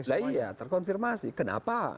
lah iya terkonfirmasi kenapa